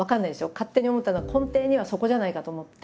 勝手に思ったのは根底にはそこじゃないかと思って。